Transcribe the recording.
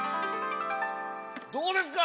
どうですか？